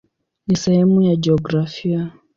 Ni sehemu ya jiografia.